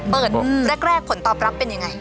เปิดแรกผลตอบรับเป็นยังไง